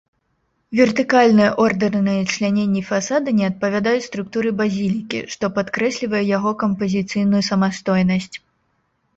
Вертыкальныя ордэрныя чляненні фасада не адпавядаюць структуры базілікі, што падкрэслівае яго кампазіцыйную самастойнасць.